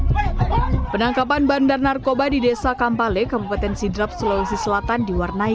hai penangkapan bandar narkoba di desa kampale kabupaten sidrap sulawesi selatan diwarnai